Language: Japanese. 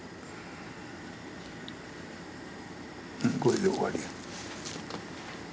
これで終わりや。